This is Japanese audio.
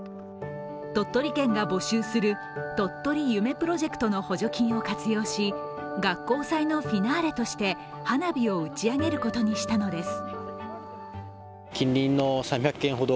鳥取県が募集する、とっとり夢プロジェクトの補助金を活用し、学校祭のフィナーレとして花火を打ち上げることにしたのです。